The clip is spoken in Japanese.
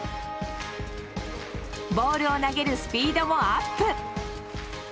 ボールを投げるスピードもアップ！